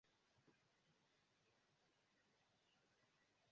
La fonto de la rivero troviĝas sur la sudaj deklivoj de la Nikita altebenaĵo.